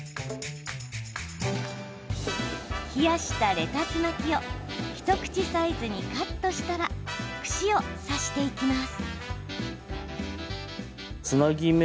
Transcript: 冷やしたレタス巻きを一口サイズにカットしたら串を刺していきます。